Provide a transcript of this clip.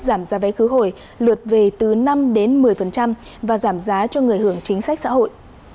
giảm giá vé khứ hồi lượt về từ năm đến một mươi và giảm giá cho người hưởng chính sách xã hội